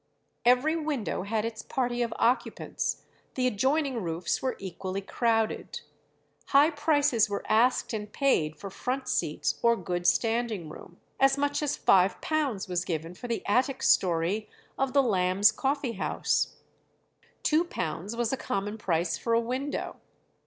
Every window had its party of occupants; the adjoining roofs were equally crowded. High prices were asked and paid for front seats or good standing room. As much as £5 was given for the attic story of the Lamb's Coffee House; £2 was a common price for a window.